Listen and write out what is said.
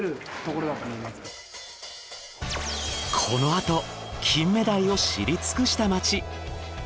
このあとキンメダイを知り尽くした町。